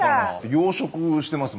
養殖してます